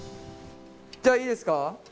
じゃあいいですか？